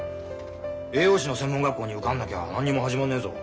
栄養士の専門学校に受かんなきゃ何にも始まんねえぞ。